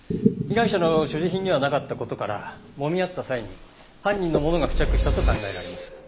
被害者の所持品にはなかった事からもみ合った際に犯人のものが付着したと考えられます。